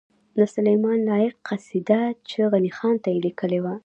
د سلیمان لایق قصیده چی غنی خان ته یی لیکلې وه